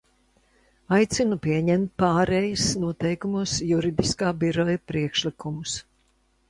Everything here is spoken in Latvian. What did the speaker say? Aicinu pieņemt pārejas noteikumos Juridiskā biroja priekšlikumus.